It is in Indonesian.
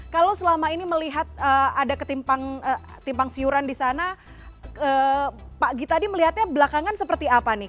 kalau selama ini melihat ada ketimpang siuran di sana pak gita di melihatnya belakangan seperti apa nih